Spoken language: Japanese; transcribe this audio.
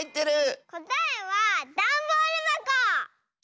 こたえはだんボールばこ！